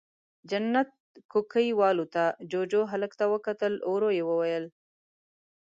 جنت کوکۍ والوته، جُوجُو، هلک ته وکتل، ورو يې وويل: